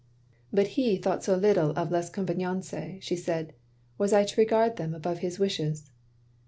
" But he thought so Kttle of les convenances, " she said, " was I to regard them above his wishes?